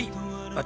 私